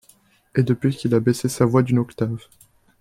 Et depuis qu'il a baissé sa voix d'une octave.